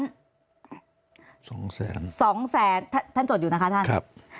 ๒๐๐๐๐๐บาทท่านจดอยู่นะคะท่านครับ